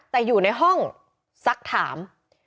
แต่อยู่ในห้องสักถาม